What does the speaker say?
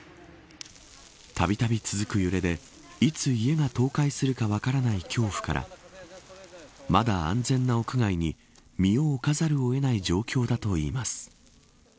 たびたび続く揺れでいつ、家が倒壊するか分からない恐怖からまだ、安全な屋外に身を置かざるを得ない状況だといいます。